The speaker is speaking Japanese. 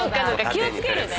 気を付けるね。